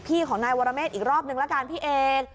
พี่ของนายวรเมฆอีกรอบนึงละกันพี่เอก